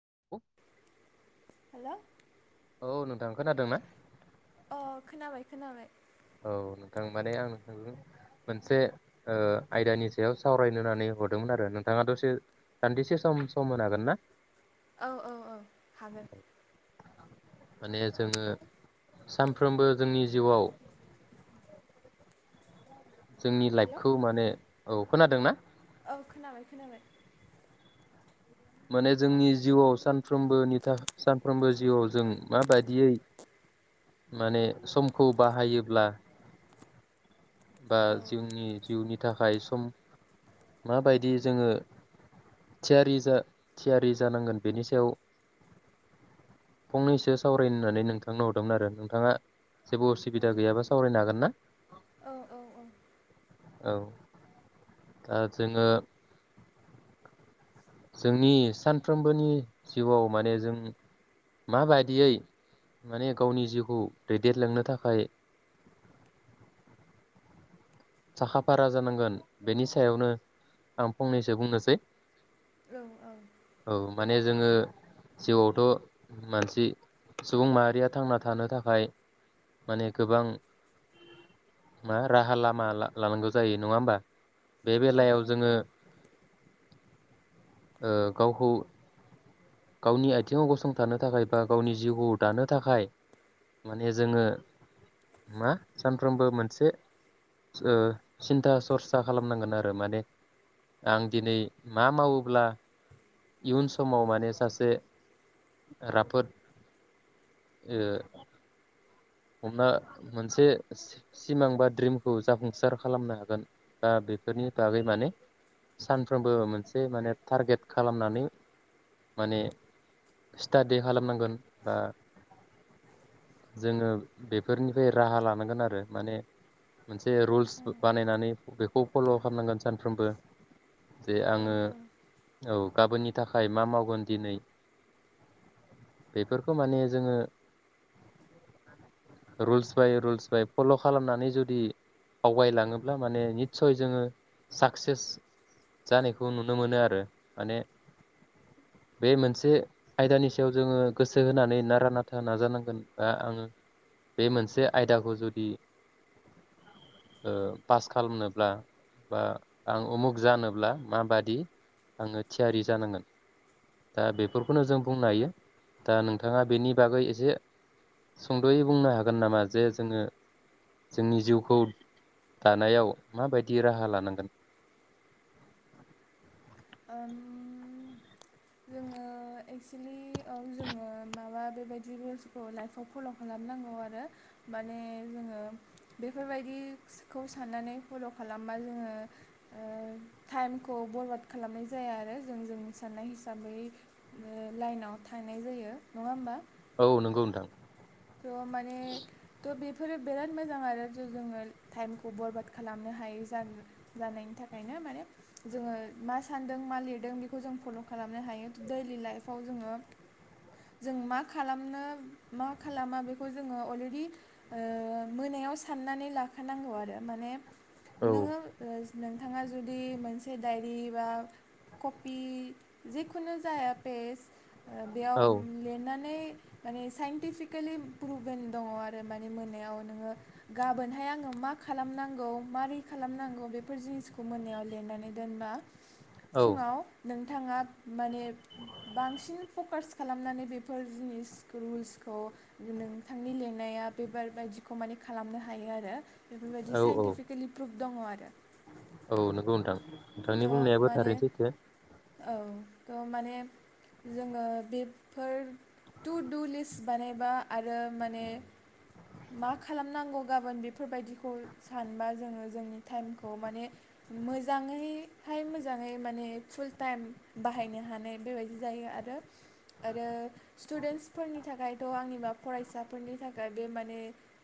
[unintelligible] Hello. औ नोंथां खोनादोंना? अ खोनाबाय खोनाबाय। औ नोंथां माने आं नोंथांजों मोनसे ओ आयदानि सायाव सावरायनो होननानै हरदोंमोन आरो नोंथाङा दसे दान्दिसे सम सम होनो हागोन ना? औ औ औ हागोन। माने जोङो सानफ्रोमबो जोंनि जिउआव जोंनि हेल' लाइफखौ माने औ। खोनादों ना? औ खोनाबाय खोनाबाय। माने जोंनि जिउआव सानफ्रोमबोनि थाख सानफ्रोमबो जिउआव जों माबायदियै माने समखौ बाहायोब्ला बा औ जिउनि जिउनि थाखाय सम माबायदि जोङो थियारि जा थियारि जानांगोन बेनि सायाव फंनैसो सावरायनानै नोंथांनो हरदोंमोन आरो नोंथाङा जेबो औ उसुबिदा गैयाबा सावरायनो हागोन ना? औ औ औ ओ जोङो जोंनि सानफ्रोमबोनि जिउआव माने जों माबायदियै माने गावनि जिउखौ दैदेनलांनो थाखाय साखा फारा जानांगोन बेनि सायावनो आं फंनैसो बुंनोसै। औ औ। औ माने जोङो जिउआवथ मानसि सुबुं माहारिया थांना थानो थाखाय माने गोबां मा राहा लामा माला लानांगौ जायो नङा होमबा बे औ बेलायाव जोङो ओ गावखौ गावनि आथिङाव गसंथानो थाखाय बा गावनि जिउखौ दानो थाखाय माने जोङो मा सानफ्रोमबो मोनसे ओ सिन्था सरसा खालामनांगोन आरो माने आं दिनै मा मावोब्ला इयुन समाव माने सासे राफोद ओ हमना मोनसे सि-सिमां बा ड्रिमखौ जाफुंसार खालामनो हागोन दा बेफोरनि बागै माने सानफ्रोमबो मोनसे माने टारगेट खालामनानै माने स्टाादि खालामनांगोन बा ओ जोङो बेफोरनिफ्राय राहा लानांगोन आरो माने मोनसे रुल्स बानायनानै बे खौ फल' खामनांगोन सानफ्रोमबो जे औ आङो औ औ गाबोननि थाखाय मा मावगोन दिनै बेफोरखौ माने जोङो रुल्स बाय रुल्स बाय फल' खालामनानै जुदि आवगायलाङोब्ला माने निस्सय जोङो साक्सेस जानायखौ नुनो मोनो आरो माने बे मोनसे आयदानि सायाव जोङो गोसो होनानै नारा नाथा नाजानांगोन बा आङो बे मोनसे आयदाखौ जुदि ओ पास खालामनोब्ला बा आं उमुक जानोब्ला माबादि आङो थियारि जानांगोन दा बेफोरखौनो जों बुंनो हायो दा नोंथाङा बेनि बागै एसे सुंदयै बुंनो हागोन नामा जे जोङो जोंनि जिउखौ दानायाव माबायदि राहा लानांगोन उम जोङो एक्सलि औव जोङो माबा बेबायदि रुल्सखौ लाइफआव फल खालामनांगौ आरो माने जोङो बेफोरबायदिखौ साननानै फल' खालामबा जोङो ओ टाइमखौ बरबाद खालामनाय जाया आरो जों जों साननाय हिसाबै ओ लाइनाव थानाय जायो नङा होमबा औ नंगौ नोंथां ट माने ट बेफोरो बिराद मोजां आरो जोङो टाइमखौ बरबाद खालामनो हायै जानायनि थाखायनो माने जोङो मा सानदों मा लिरदों बेखौ जों फल खालामनो हायो ट दैलि लाइफआव जोङो जों मा खालामनो मा मा खालामा बेखौ जोङो अलरेडि ओ मोनायाव साननानै लाखानांगौ आरो माने औ नोङो ओ नोंथाङा जुदि मोनसे डायरि बा कपि जिखुनु जाया पेज बेयाव औ लिरनानै माने साइन्टिफिक केलि प्रुभेल दङ आरो माने मोननायाव नोङो गाबोनहाय आङो मा खालामनांगौ मारै खालामनांगौ बेफोर जिनिसखौ मोननायाव लिरनानै दोनबा औ फुङाव नों नोंथाङा माने बांसिन फकास खालामनानै बेफोर जिनिस जिनिसखौ नोंथांनि लेनाया बेबारबायदिखौ माने खालामनो हायो आरो बेफोरबायदि औ औ साइन्टिफिकेलि प्रुभ दंङ आरो औ नंगौ नोंथां नोंथांनि द' बुंनायाबो माने थारैनो सैथो औ थह माने जोङो बेफोर टु दु लिस्ट बानायबा आरो माने मा खालामनांगौ गाबोन बेफोरबायदिखौ सानबा जोङो जोंनि टाइमखौ माने मोजाङैहाय मोजाङै माने फुल टाइम बाहायनो हानाय बेबायदि जायो आरो आरो स्टुडेन्सफोरनि थाखायथ' आंनिबा फरायसाफोरनि थाखाय बे माने माने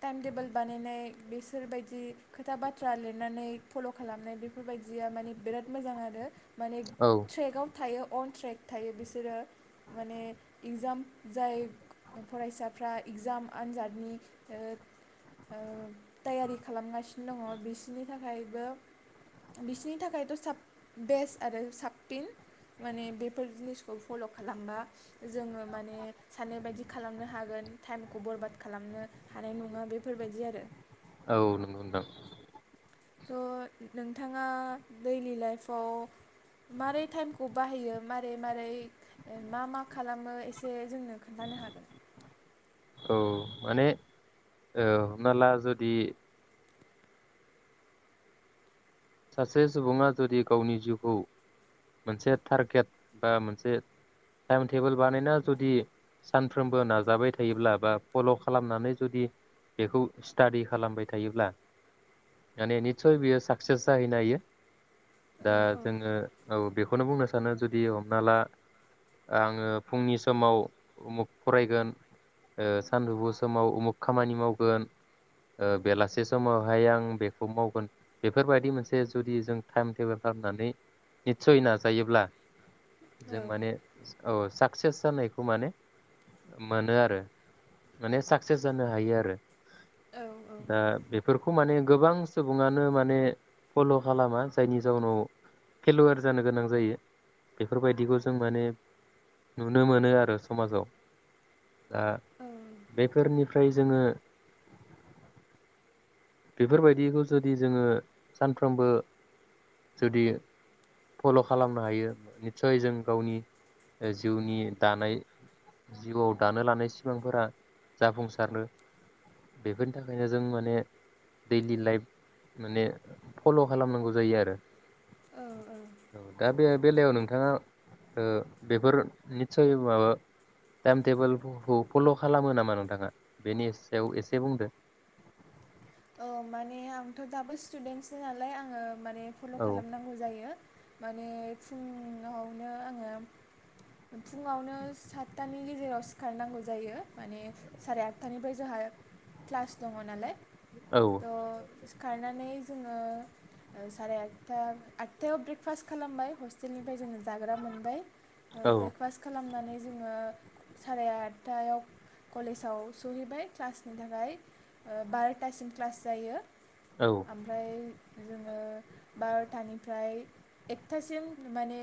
टाइम टेबोल बानायनाय बेसोरबायदि खोथा बाथ्रा लिरनानै फल' खालामनाय बेफोरबायदिया माने बिराद मोजां आरो माने औ ट्रेकआव थायो अन ट्रेक थायो बिसोरो माने एगजाम जाय फरायसाफ्रा एगजाम आनजादनि ओ ओ टैयारि खालामगासिनो दङ बिसोरनि थाखायबो बिसोरनि थाखायथ' साब बेस्ट आरो साबसिन माने बेफोर जिनिसखौ फल' खालामबा जोङो माने सान बायदि खालामनो हागोन टाइमखौ बरबाद खालामनो हानाय नङा बेफोरबायदि आरो औ नंगौ नोंथां थ' नोंथाङा दैलि लाइफआव मारै टाइमखौ बाहायो मारै मारै मा मा खालामो एसे जोंनो खोन्थानो हागोन औ माने ओ हमना ला जुदि सासे सुबुङा जुदि गावनि जिउखौ मोनसे टारगेट बा मोनसे टाइम टेबोल बानायना जुदि सानफ्रोमबो नाजाबाय थायोब्ला बा फल' खालामनानै जुदि बेखौ स्टाडि खालामबाय थायोब्ला माने निसय बियो साक्सेस जाहैनो हायो। दा औ औ जोङो औ बेखौनो बुंनो सानो जुदि हमना ला आङो फुंनि समाव उमुख फरायगोन सानदुंफु समाव उमुख खामानि मावगोन बेलासे ओ समावहाय आं बेखौ मावगोन बेफोरबायदि मोनसे से जुदि जों टाइम टेबोल खालामनानै निस्सय नाजायोब्ला जों औ माने औ साक्सेस जानायखौ माने मोनो आरो माने साकसेस जानो हायो आरो। औ दा बेफोर खौ माने गोबां सुबुङानो माने फल' खालामा जायनि जाउनाव फेल'वार जानो गोनां जायो बेफोरबायदिखौ जों माने नुनो मोनो आरो समाजाव दा औ बेफोरनि ओमफ्राय जोङो बेफोरबायदिखौ जुदि जोङो सानफ्रोमबो जुदि फल' खालामनो हायो निस्सय जों गावनि जिउनि दानाय जिउआव दानो लानाय सिमांफोरा जाफुंसारो बेफोरनि थाखायनो जों माने दैलि लाइफ माने फल' खालामनांगौ जायो आरो। औ दा बे बेलायाव नोंथाङा ओ बेफोर निसय माबा टाइम टेबोलखौ फल' खालामो नामा नोंथाङा बेनि सायाव एसे बुंदो। औ माने आंथ' दाबो स्टुदेन्टसो नालाय आङो माने फल' औ खालामनांगौ जायो। माने फुङावनो आङो फुङावनो सातथानि गेजेराव सिखारनांगौ जायो माने साराय आदथानिफ्राय जोंहा क्लास दङ नालाय। औ खारनानै जोङो साराय आदथा आदथायाव ब्रेकफास्ट खालामबाय हस्टेलनिफ्राय जोङो जाग्रा मोनबाय औ ब्रेकफास्ट खालामनानै जोङो साराय आदथायाव कलेजाव सहैबाय क्लासनि थाखाय बार थासिम क्लास जायो। औ ओमफ्राय जोङो बार'थानिफ्राय एकथासिम माने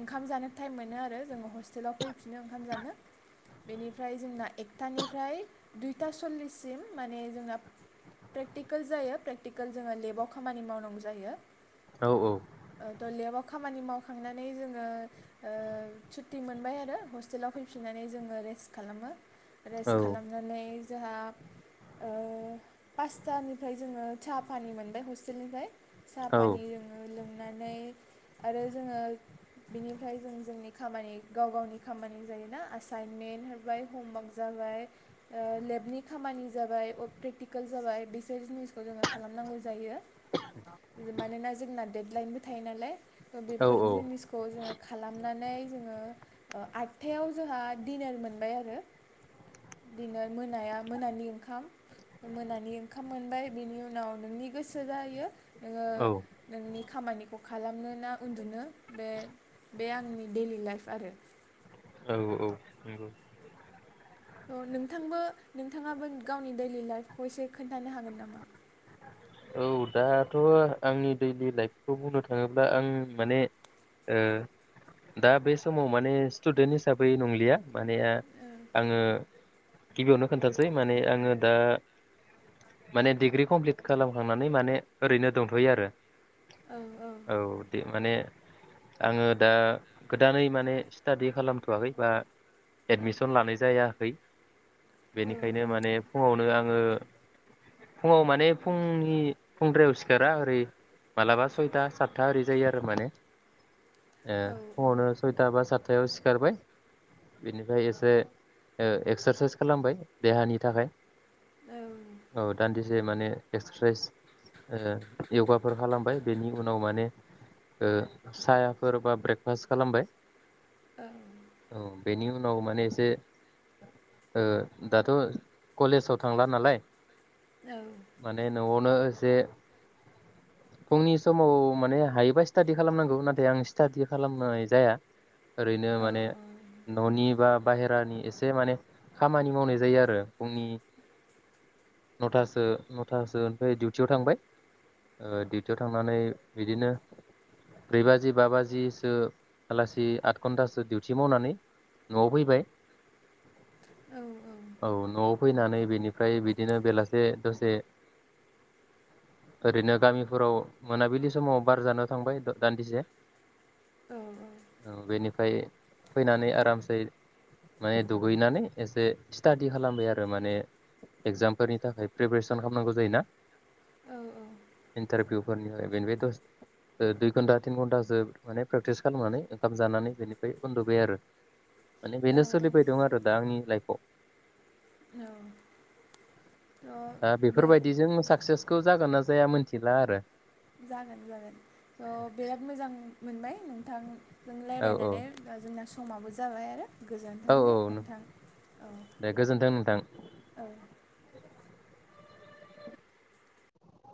ओंखाम जानो टाइम मोनो आरो जोङो हस्ट स्टेलाव फैफिनो ओंखाम जानो बेनिफ्राय जोंना एकथानिफ्राय दुइथा सल्लिससिम माने जोंना प्रेक्टिकेल जायो प्रेकटिकेल जोङो लेबाव खामानि मावनांगौ जायो औ औ दा लेबाव खामानि मावखांनानै जोङो ओ सुटि मोनबाय आरो हस्टेलाव फैफिननानै जोङो रेस्ट खालामो औ रेस्ट खालामनानै जोंहा ओ पासतानिफ्राय जोङो साहा पानि मोनबाय हस्टेलनिफ्राय साहा फानि लोङो लों नानै आरो जोङो बेनिफ्राय जों जोंनि खामानि गाव गावनि खामानि जायोना एाइनमेन्ट हराय हमवार्क जाबाय लेबनि खामानि जाबाय जाबाय बेसोर जिनिस जोङो खालामनांगौ जायो। मानोना जोंना देडलाइनबो थायो नालाय ओ औ बेफोर औ जिनिसखौ जोङो खालामनानै जोङो ओ आटथायाव जोंहा दिडनार मोनबाय आरो दिनार मोनाया मोनानि ओंखाम। मोनानि ओंखाम मोनबाय बेनि उनाव नोंनि गोसो जायो नोङो औ नोंनि खामानिखौ खालामनो ना उन्दुनो बे बे आंनि दैडलि लाइफ आरो औ औ नोंगौ थ' नोंथांबो‌ नोंथाङाबो गावनि दैलि लाइफखौ एसे खोन्थानो हागोन नामा? औ दाथ' आंनि दैलि लाइफखौ बुंनो थाङोब्ला आं माने दा बे समाव माने स्टुदेन्ट हिसाबै नंलिया माने आङो गिबियावनो खोन्थसै माने आङो दा माने डिग्रि कमप्लिट खालामखांनानै माने ओरैनो दोंथ'यो आरो। औ दे माने आङो दा गोदानै माने स्टादि खालामथ'वाखै बा एडमिसन लानाय जायाखै। औ बेनिखायनो माने फुङावनो आङो फुंआव माने फुंनि फुंद्रायाव सिखारा ओरै मालाबा सयथा सातथा ओरै जायो आरो माने ए औ फुङावनो सयथा बा सात साथायाव सिखारबाय बिनिफ्राय एसे एक्सारसाइस खालामबाय देहानि थाखाय औ औ औ दान्दिसे माने एक्सारसाइस ओ यगाफोर खालामबाय बेनि उनाव माने साफोर बा ब्रेकफास्ट खालामबाय औ औ बेनि उनाव माने एसे ओ दाथ' कलेजाव थांला नालाय औ माने न'आवनो एसे फुंनि समाव माने हायोबा सिथादि खालामनांगौ नाथाय आं सिथादि खालामनाय जाया। ओरैनो माने न'नि बा बाहेरानि एसे माने खामानि मावनाय जायो आरो फुंनि नथासो नथ थासो डिउटियाव थांबाय डिउटियाव थांनानै बिदिनो ब्रै बाजि बा बाजिसो आलासि आठ घन्टासो डिउटि मावनानै न'आव फैबाय औ न'वाव फैनानै बेनिफ्राय बिदिनो बेलासे दसे ओरैनो गामिफोराव मोनाबिलि समाव बार जानो थांबाय दान्दिसे औ बेनि फ्राय फैनानै आरामसे माने दुगैनानै एसे स्टाादि खालामबाय आरो माने एगजामफोरनि थाखाय प्रिपेरेसन खालामनांगौ जायोना औ औ इन्टारभिउफोरनिफ्राय बेनिफ्राय दस ओ दुइ घन्टा तिन घन्टासो माने प्रेकटिस खालामनानै ओंखाम जानानै बेनिफ्राय उन्दुबायआरो औ माने औ बेनो सोलिबाय दं आरो दा आंनि लाइफ औ दा थ' बे बेफोरबायदिजों साक्सेस थ' जागोन ना जाया मोन्थिला आरो। जागोन जागोन स' बेराद मोजां मोनबाय नोंथां। जों औ औ रायलायनानै दा जोंना स समाबो जाबाय आरो। औ गोजोन्थों दे नोंथां औ दे गोजोन्थों नोंथां औ।